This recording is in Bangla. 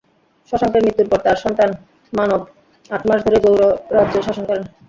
শশাঙ্কের মৃত্যুর পর তার সন্তান মানব আট মাস ধরে গৌড় রাজ্য শাসন করেন।